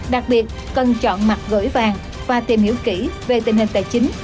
đặc biệt cần chọn mặt gửi vàng và tìm hiểu kỹ về tình hình tài chính